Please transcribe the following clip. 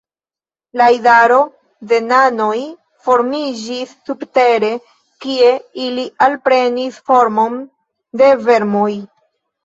La idaro de nanoj formiĝis subtere, kie ili alprenis formon de vermoj.